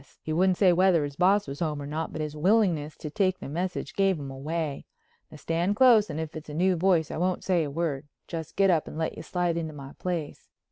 He wouldn't say whether his boss was home or not, but his willingness to take the message gave him away. Now stand close and if it's a new voice I won't say a word, just get up and let you slide into my place."